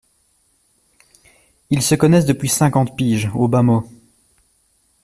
Ils se connaissent depuis cinquante piges, au bas mot.